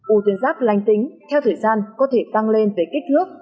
u tuyến giáp lành tính theo thời gian có thể tăng lên về kích thước